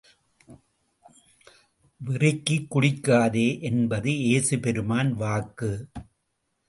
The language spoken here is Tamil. வெறிக்கக் குடிக்காதே என்பது ஏசு பெருமான் வாக்கு.